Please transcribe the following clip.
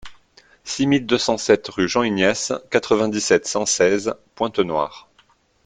six mille deux cent sept rue Jean Ignace, quatre-vingt-dix-sept, cent seize, Pointe-Noire